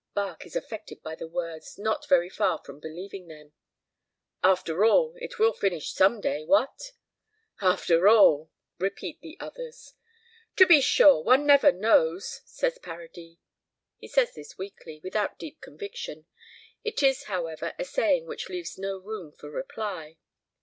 Barque is affected by the words, nor very far from believing them. "After all, it will finish some day, what!" "After all!" repeat the others. "To be sure, one never knows," says Paradis. He says this weakly, without deep conviction. It is, however, a saying which leaves no room for reply.